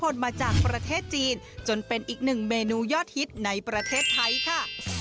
มาจากประเทศจีนจนเป็นอีกหนึ่งเมนูยอดฮิตในประเทศไทยค่ะ